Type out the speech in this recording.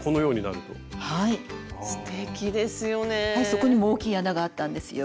そこにも大きい穴があったんですよ。